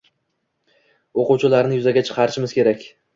O‘quvchilarni yuzaga chiqarishimiz kerak.